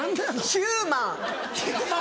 ヒューマン。